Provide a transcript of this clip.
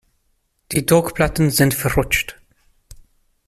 Die Druckplatten sind verrutscht.